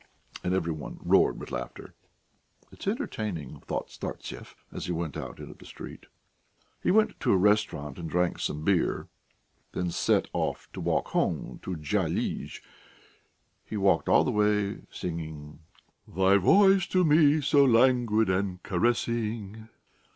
And every one roared with laughter. "It's entertaining," thought Startsev, as he went out into the street. He went to a restaurant and drank some beer, then set off to walk home to Dyalizh; he walked all the way singing: "'Thy voice to me so languid and caressing....'"